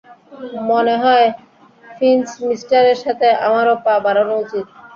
মনেহয়, ফিঞ্চমিস্টারের সাথে আমারো পা বাড়ানো উচিত।